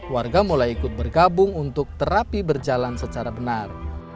warga mulai ikut bergabung untuk terapi berjalan secara benar